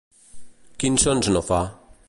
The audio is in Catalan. Quins sons no fa?